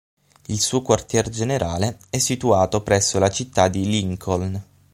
Il suo quartier generale è situato presso la citta di Lincoln.